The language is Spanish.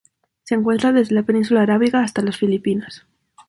Se encuentra desde la Península Arábiga hasta las Filipinas.